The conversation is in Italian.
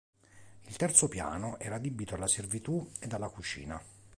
Il terzo piano, era adibito alla servitù ed alla cucina.